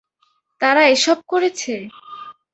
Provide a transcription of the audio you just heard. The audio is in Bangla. তারা এসব করেছে!